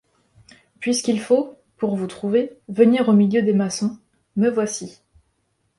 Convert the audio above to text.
Puisqu'il faut, pour vous trouver, venir au milieu des maçons, me voici.